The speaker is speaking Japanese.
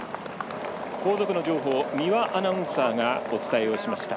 後続の情報美和アナウンサーがお伝えをしました。